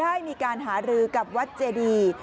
ได้มีการหารือกับวัดเจดี